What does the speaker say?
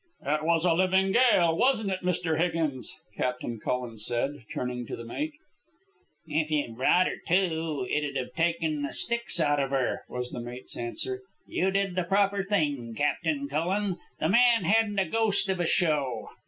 "It was a living gale, wasn't it, Mr. Higgins?" Captain Cullen said, turning to the mate. "If you'd brought her to, it'd have taken the sticks out of her," was the mate's answer. "You did the proper thing, Captain Cullen. The man hadn't a ghost of a show."